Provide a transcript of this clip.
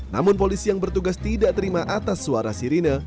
namun polisi yang bertugas tidak terima atas suara sirine